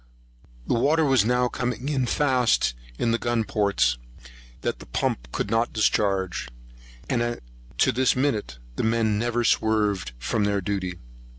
The water was now coming faster in at the gun ports than the pumps could discharge; and to this minute the men never swerved from their duty.